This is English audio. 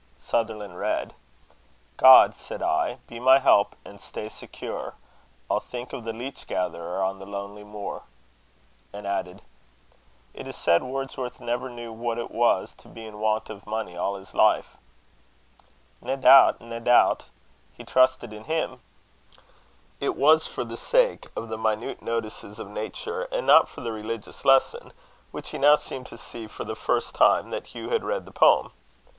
Sutherland read: "'God,' said I, 'be my help and stay secure! I'll think of the leech gatherer on the lonely moor;'" and added, "It is said Wordsworth never knew what it was to be in want of money all his life." "Nae doubt, nae doubt: he trusted in Him." It was for the sake of the minute notices of nature, and not for the religious lesson, which he now seemed to see for the first time, that Hugh had read the poem.